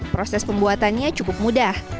proses pembuatannya cukup mudah